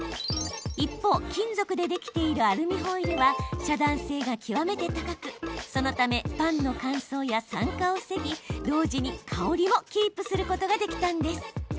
一方、金属でできているアルミホイルは遮断性が極めて高くそのためパンの乾燥や酸化を防ぎ同時に香りもキープすることができたんです。